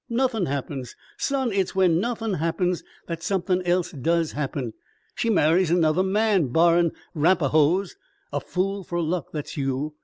Nothin' happens. Son, it's when nothin' happens that somethin' else does happen. She marries another man barrin' 'Rapahoes. A fool fer luck that's you.